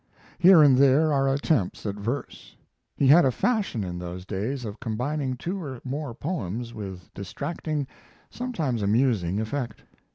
Here and there are attempts at verse. He had a fashion in those days of combining two or more poems with distracting, sometimes amusing, effect.